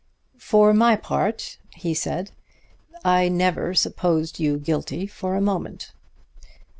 "For my part," he said, "I never supposed you guilty for a moment."